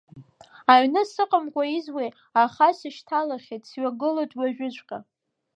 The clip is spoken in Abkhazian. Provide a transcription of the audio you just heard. Аҩны сыҟамкәа изуеи, аха сышьҭалахьеит, сҩагылоит уажәыҵәҟьа.